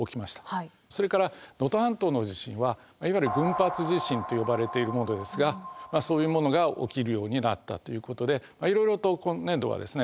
それから能登半島の地震はいわゆる群発地震と呼ばれているものですがそういうものが起きるようになったということでいろいろと今年度はですね